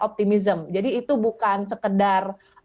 optimism jadi itu bukan sekedar